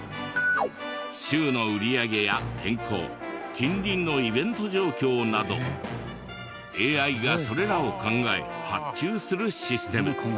週の売り上げや天候近隣のイベント状況などＡＩがそれらを考え発注するシステム。